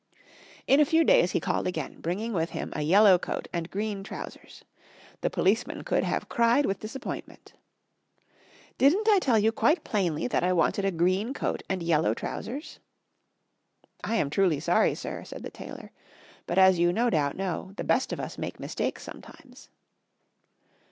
In a few days he called again, bringing with him a yellow coat and green trousers. The policeman could have cried with disappointment. "Didn't I tell you quite plainly that I wanted a green coat and yellow trousers?" "I am truly sorry, sir," said the tailor, "but as you no doubt know, the best of us make mistakes sometimes."